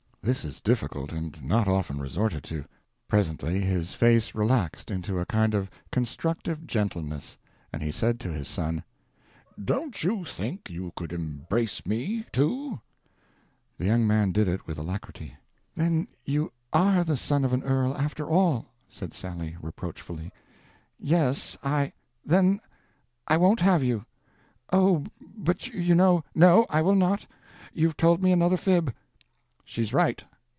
This is difficult, and not often resorted to. Presently his face relaxed into a kind of constructive gentleness, and he said to his son: "Don't you think you could embrace me, too?" The young man did it with alacrity. "Then you are the son of an earl, after all," said Sally, reproachfully. "Yes, I—" "Then I won't have you!" "O, but you know—" "No, I will not. You've told me another fib." "She's right.